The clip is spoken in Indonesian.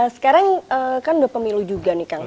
sekarang kan sudah pemilu juga nih kak